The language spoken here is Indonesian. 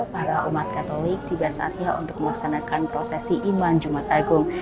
para umat katolik tugasnya untuk melaksanakan prosesi iman jumat agung